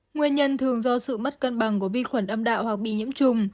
nguyên nhân thường do sự mất cân bằng của vi khuẩn âm đạo hoặc bị nhiễm trùng